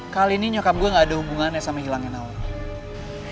kali ini nyokap gue gak ada hubungannya sama hilangin awal